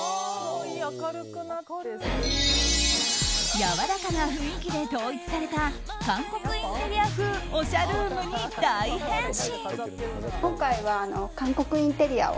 やわらかな雰囲気で統一された韓国インテリア風おしゃルームに大変身。